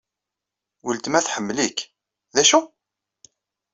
Weltma tḥemmel-ik. D acu?